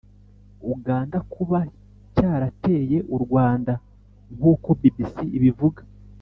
uganda kuba cyarateye u rwanda nkuko bbc ibivuga